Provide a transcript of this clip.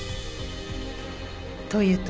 というと？